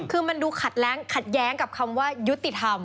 คือมันดูขัดแย้งกับคำว่ายุติธรรม